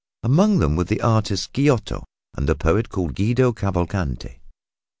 Among them were the artist named Giotto and the poet called Guido Cavalcante.